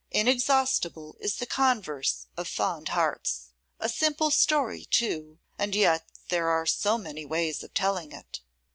Inexhaustible is the converse of fond hearts! A simple story, too, and yet there are so many ways of telling it!